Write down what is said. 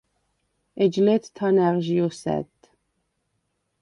ეჯ ლე̄თ თანა̈ღჟი ოსა̈დდ.